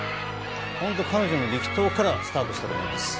本当、彼女の力投からスタートしたと思います。